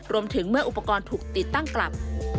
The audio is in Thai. เมื่ออุปกรณ์ถูกติดตั้งกลับ